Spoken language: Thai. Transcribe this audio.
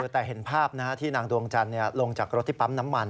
แต่เห็นภาพที่นางดวงจันทร์ลงจากรถที่ปั๊มน้ำมัน